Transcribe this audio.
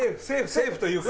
セーフというか。